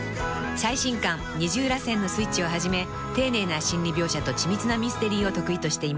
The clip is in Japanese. ［最新刊『二重らせんのスイッチ』をはじめ丁寧な心理描写と緻密なミステリーを得意としています］